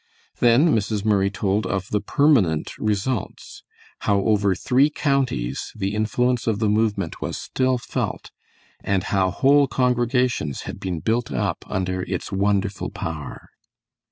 Then Mrs. Murray told of the permanent results; how over three counties the influence of the movement was still felt, and how whole congregations had been built up under its wonderful power.